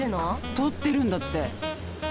取ってるんだって。